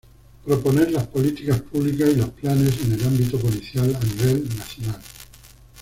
Proponer las políticas públicas y los planes en el ámbito policial a nivel nacional.